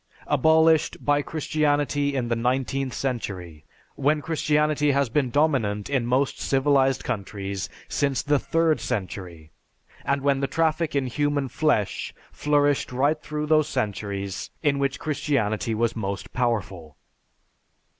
Abolished by Christianity in the nineteenth century, when Christianity has been dominant in most civilized countries since the third century, and when the traffic in human flesh flourished right through those centuries in which Christianity was most powerful!